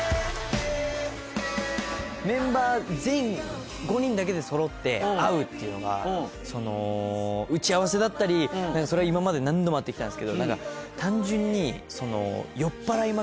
メンバー全員５人だけでそろって会うっていうのがその打ち合わせだったりそれは今まで何度も会って来たんですけど単純にその。